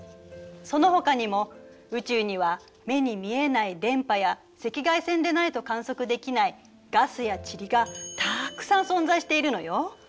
そのほかにも宇宙には目に見えない電波や赤外線でないと観測できないガスや塵がたくさん存在しているのよ。